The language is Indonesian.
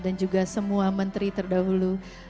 dan juga semua menteri terdahulu